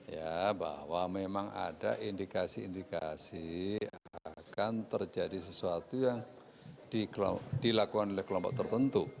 ya bahwa memang ada indikasi indikasi akan terjadi sesuatu yang dilakukan oleh kelompok tertentu